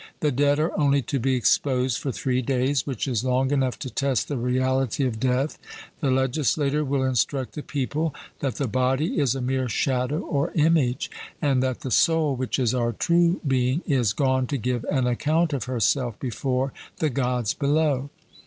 The dead are only to be exposed for three days, which is long enough to test the reality of death. The legislator will instruct the people that the body is a mere shadow or image, and that the soul, which is our true being, is gone to give an account of herself before the Gods below.